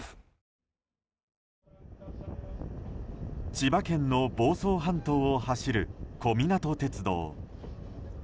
千葉県の房総半島を走る小湊鉄道。